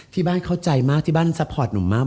ที่บ้านเข้าใจมากที่บ้านซัพพอร์ตหนุ่มมาก